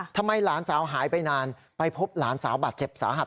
หลานสาวหายไปนานไปพบหลานสาวบาดเจ็บสาหัส